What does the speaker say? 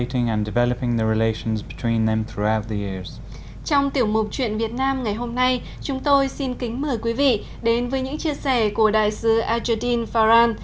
trong tiểu mục chuyện việt nam ngày hôm nay chúng tôi xin kính mời quý vị đến với những chia sẻ về các lĩnh vực khác